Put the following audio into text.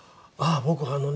僕あのね